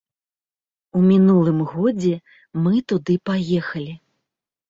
У мінулым годзе мы туды паехалі.